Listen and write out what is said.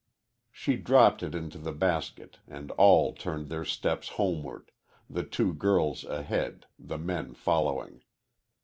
She dropped it into the basket and all turned their steps homeward, the two girls ahead, the men following.